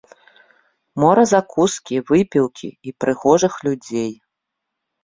Мора закускі, выпіўкі і прыгожых людзей.